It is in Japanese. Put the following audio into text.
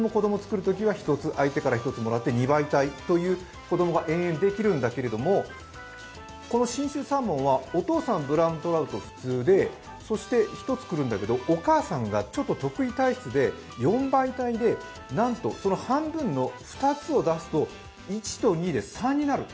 一つ、相手から一つもらって二倍体という子供が永遠にできるんだけど、この信州サーモンはお父さん、ブラウントラウト普通で１つ来るんだけど、お母さんが特異体質で四倍体でなんとその半分の２つを出すと１と２で３になる。